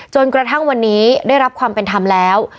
จนกระทั่งวันนี้ได้รับความเป็นธรรมแล้ว